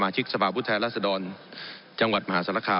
ผมอภิปรายเรื่องการขยายสมภาษณ์รถไฟฟ้าสายสีเขียวนะครับ